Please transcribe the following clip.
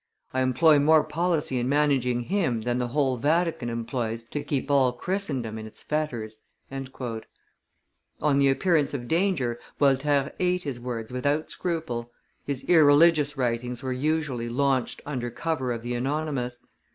"I employ more policy in managing him than the whole Vatican employs to keep all Christendom in its fetters." On the appearance of danger, Voltaire ate his words without scruple; his irreligious writings were usually launched under cover of the anonymous.